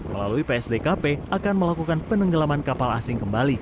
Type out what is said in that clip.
melalui psdkp akan melakukan penenggelaman kapal asing kembali